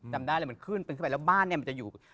จำได้เลยมันขึ้นเป็นขึ้นไปแล้วบ้านเนี่ยมันจะอยู่